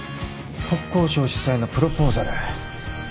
国交省主催のプロポーザル。